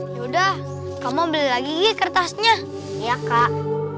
yaudah kamu ambil lagi nih kertasnya iya kak